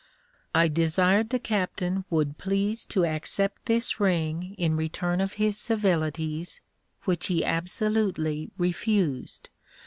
I desired the captain would please to accept this ring in return of his civilities, which he absolutely refused.